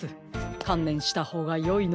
かんねんしたほうがよいのでは？